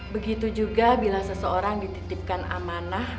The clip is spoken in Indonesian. begitu juga bila seseorang dititipkan amanah